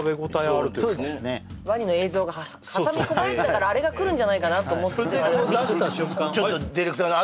ワニの映像が挟み込まれたからあれが来るんじゃないかなとそれでこう出した瞬間